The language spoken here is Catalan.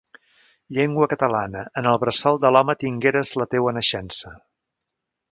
Llengua catalana, en el bressol de l'home tingueres la teua naixença.